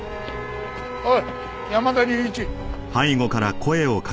おい山田隆一。